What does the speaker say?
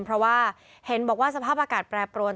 เพราะว่าเห็นบอกว่าสภาพอากาศแปรปรวน